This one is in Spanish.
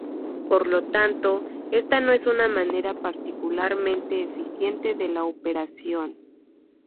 Por lo tanto, esta no es una manera particularmente eficiente de la operación.